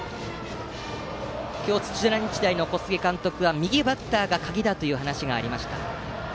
今日、土浦日大の小菅監督は右バッターが鍵だという話がありました。